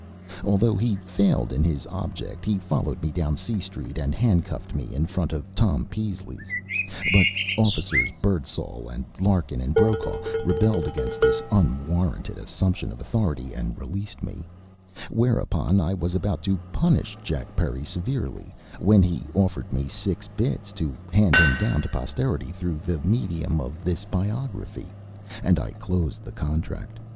Although he failed in his object, he followed me down C street and handcuffed me in front of Tom Peasley's, but officers Birdsall and Larkin and Brokaw rebelled against this unwarranted assumption of authority, and released me whereupon I was about to punish Jack Perry severely, when he offered me six bits to hand him down to posterity through the medium of this Biography, and I closed the contract.